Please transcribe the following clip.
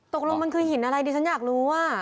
ตกลงมันคือหินอะไรดิฉันอยากรู้ว่า